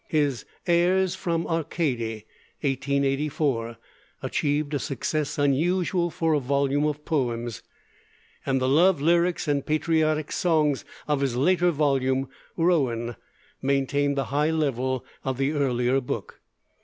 His 'Airs from Arcady' (1884) achieved a success unusual for a volume of poems; and the love lyrics and patriotic songs of his later volume, 'Rowen,' maintain the high level of the earlier book.